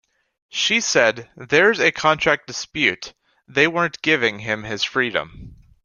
She said There's a contract dispute, they weren't giving him his freedom.